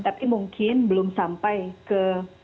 tapi mungkin belum sampai ke